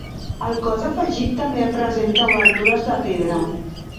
El cos afegit també presenta obertures de pedra.